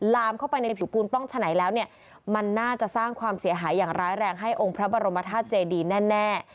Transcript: ลามเข้าไปในผิวปูนปล้องฉะไหนแล้วเนี่ยมันน่าจะสร้างความเสียหายอย่างร้ายแรงให้องค์พระบรมธาตุเจดีแน่